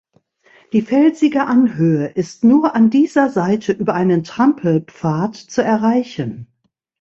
Die felsige Anhöhe ist nur an dieser Seite über einen Trampelpfad zu erreichen.